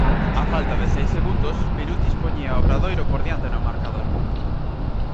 Á falta de seis segundos, Birutis poñía o Obradoiro por diante no marcador.